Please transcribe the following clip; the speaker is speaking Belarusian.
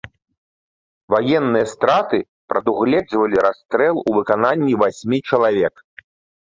Ваенныя страты прадугледжвалі расстрэл у выкананні васьмі чалавек.